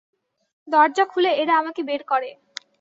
দরজা খুলে এরা আমাকে বের করে।